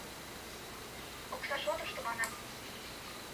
Окса шотышто манам.